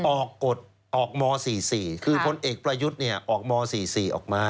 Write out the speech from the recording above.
ออกกฎออกม๔๔คือพลเอกประยุทธ์ออกม๔๔ออกมา